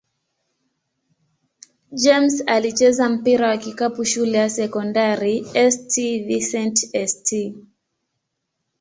James alicheza mpira wa kikapu shule ya sekondari St. Vincent-St.